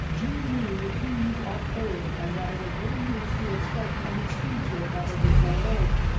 Jean knew these of old, and that it was no use to expect to even speak to her mother before night.